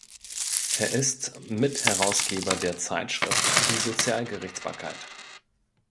Er ist Mitherausgeber der Zeitschrift "Die Sozialgerichtsbarkeit".